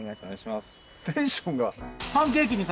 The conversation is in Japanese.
テンションが。